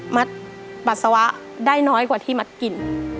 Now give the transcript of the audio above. ปัสสาวะได้น้อยกว่าที่มัดกลิ่น